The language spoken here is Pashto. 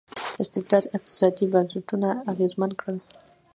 استبداد اقتصادي بنسټونه اغېزمن کړل.